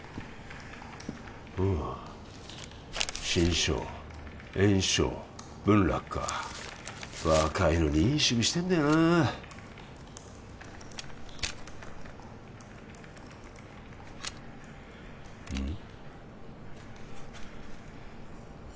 おお志ん生圓生文樂か若いのにいい趣味してんだよなあうん？